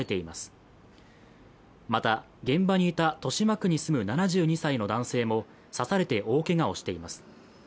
また、現場にいた豊島区に住む７２歳の男性も刺されて大けがをしています。